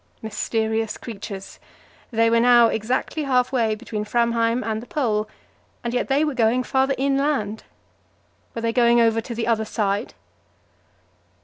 Mysterious creatures! they were now exactly half way between Framheim and the Pole, and yet they were going farther inland. Were they going over to the other side?